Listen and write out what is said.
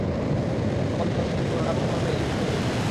সকল দর্শনেই কোন-না-কোন ভাবে এই বিচার চলিতেছে।